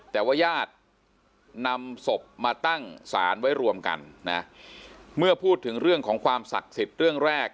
แต่ว่าญาตินำศพมาตั้งสารไว้รวมกันนะเมื่อพูดถึงเรื่องของความศักดิ์สิทธิ์เรื่องแรก